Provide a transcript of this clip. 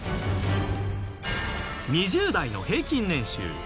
２０代の平均年収